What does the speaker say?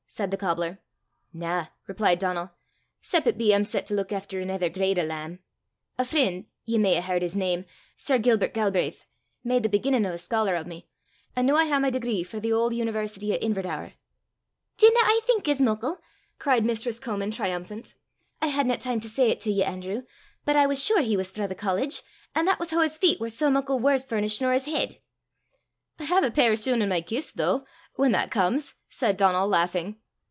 said the cobbler. "Na," replied Donal, " 'cep' it be I'm set to luik efter anither grade o' lamb. A freen' ye may a' h'ard his name sir Gilbert Galbraith made the beginnin' o' a scholar o' me, an' noo I hae my degree frae the auld university o' Inverdaur." "Didna I think as muckle!" cried mistress Comin triumphant. "I hadna time to say 't to ye, Anerew, but I was sure he was frae the college, an' that was hoo his feet war sae muckle waur furnisht nor his heid." "I hae a pair o' shune i' my kist, though whan that comes!" said Donal, laughing.